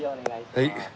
はい。